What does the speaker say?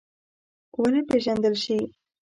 ونه پېژندل شي.